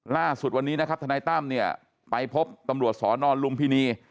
ล่าสุดวันนี้นะครับทนายตั้มเนี่ยไปพบตำรวจสอนอนลุมพินี